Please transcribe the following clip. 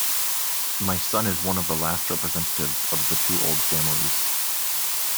My son is one of the last representatives of two old families.